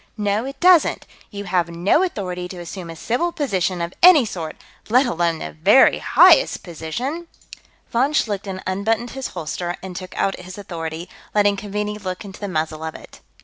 "No, it doesn't. You have no authority to assume a civil position of any sort, let alone the very highest position...." Von Schlichten unbuttoned his holster and took out his authority, letting Keaveney look into the muzzle of it.